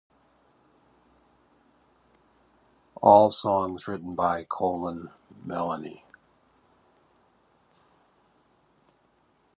All songs written by Colin Meloy.